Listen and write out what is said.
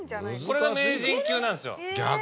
これが名人級なんですよ。